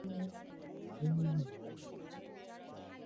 আজ বাড়ি যাচ্ছি, সাতটায় গাড়ি।